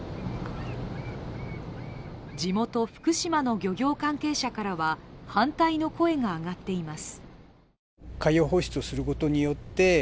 地元・福島の漁業関係者からは反対の声が上がっています。